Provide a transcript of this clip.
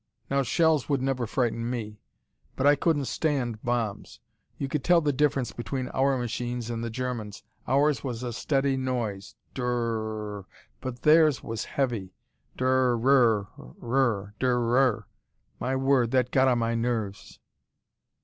Now shells would never frighten me. But I couldn't stand bombs. You could tell the difference between our machines and the Germans. Ours was a steady noise drrrrrrrr! but their's was heavy, drrrrRURUrrrrRURU! My word, that got on my nerves....